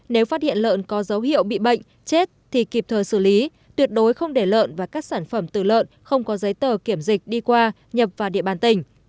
nếu phát hiện lợn có dấu hiệu bị bệnh chết thì kịp thời xử lý tuyệt đối không để lợn và các sản phẩm từ lợn không có giấy tờ kiểm dịch đi qua nhập vào địa bàn tỉnh